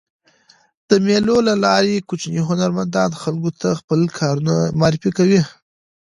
د مېلو له لاري کوچني هنرمندان خلکو ته خپل کارونه معرفي کوي.